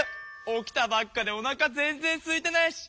起きたばっかでおなか全然すいてないし。